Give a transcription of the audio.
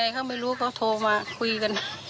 เขาไม่รู้เขาโทรมาคุยกัน